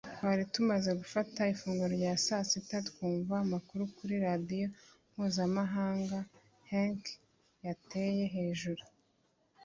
twari tumaze gufata ifunguro rya saa sita twumva amakuru kuri radiyo mpuzamahanga henk yateye hejuru